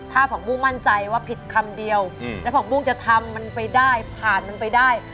ถ้าผักบุ้งมั่นใจว่าผิดคำเดียวแล้วผักบุ้งจะทำมันไปได้ผ่านมันไปได้